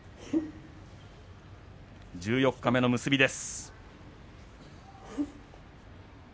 十四日目の結びです。